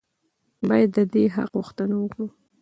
باید د دې حق غوښتنه وکړو.